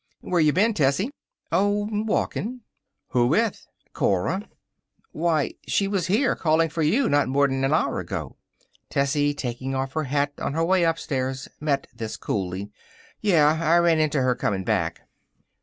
"Where you been, Tessie?" "Oh, walkin'." "Who with?" "Cora." "Why, she was here, callin' for you, not more'n an hour ago." Tessie, taking off her hat on her way upstairs, met this coolly. "Yeh, I ran into her comin' back."